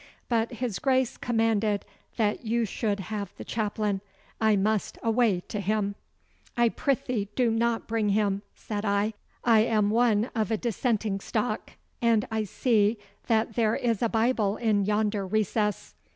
But his Grace commanded that you should have the chaplain. I must away to him.' 'I prythee do not bring him,' said I. 'I am one of a dissenting stock, and I see that there is a Bible in yonder recess.